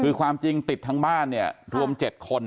คือความจริงติดทั้งบ้านเนี่ยรวม๗คน